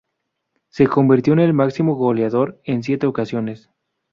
Se convirtió en el máximo goleador en siete ocasiones.